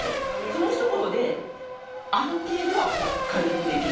そのひと言である程度は回復できる。